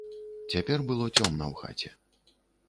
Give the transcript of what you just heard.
Цяпер было цёмна ў хаце.